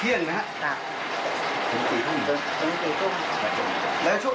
เออเยอะที่ถามนิด